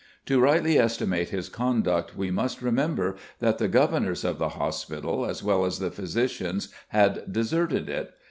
To rightly estimate his conduct we must remember that the governors of the hospital, as well as the physicians had deserted it.